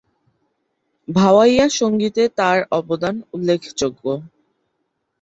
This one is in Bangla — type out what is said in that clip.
ভাওয়াইয়া সঙ্গীতে তাঁর অবদান উল্লেখযোগ্য।